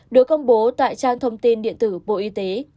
được công bố tại trang thông tin điện tử bộ y tế